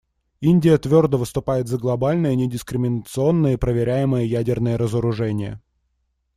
Индия твердо выступает за глобальное недискриминационное и проверяемое ядерное разоружение.